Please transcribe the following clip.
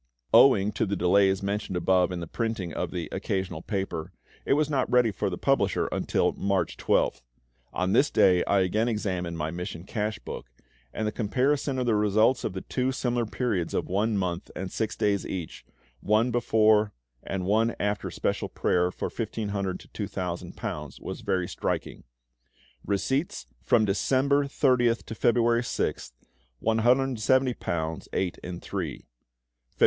"Owing to the delays mentioned above in the printing of the 'Occasional Paper,' it was not ready for the publisher until March 12th. On this day I again examined my mission cash book, and the comparison of the result of the two similar periods of one month and six days each, one before and one after special prayer for £1500 to £2000, was very striking: "Receipts from December 30th to February 6th, £170 8 3 " Feb.